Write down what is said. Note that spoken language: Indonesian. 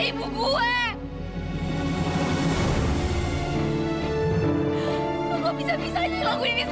udah jelas kalau dia yang bikin anak itu kecelakaan